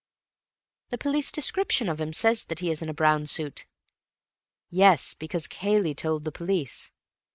"The police description of him says that he is in a brown suit." "Yes, because Cayley told the police.